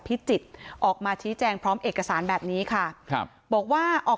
พิจิตรออกมาชี้แจงพร้อมเอกสารแบบนี้ค่ะครับบอกว่าออก